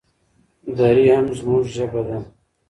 دري هم زموږ ژبه ده.